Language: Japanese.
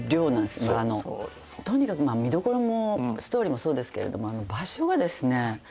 とにかく見どころもストーリーもそうですけれど場所がですね